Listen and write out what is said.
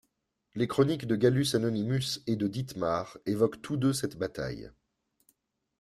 Les chroniques de Gallus Anonymus et de Dithmar évoquent tous deux cette bataille.